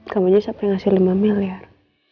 kamu aja sampe ngasih lima miliar